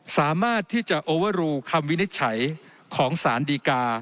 สามารถที่จะโอเวอร์รูคำวินิจฉัยของสารดีกา